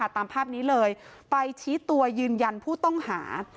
ตามภาพนี้เลยไปชี้ตัวยืนยันผู้ต้องหา